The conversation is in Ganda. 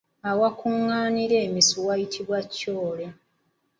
Awakuŋŋaanira emisu wayitibwa kyole.